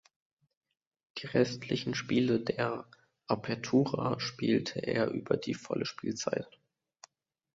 Die restlichen Spiele der Apertura spielte er über die volle Spielzeit.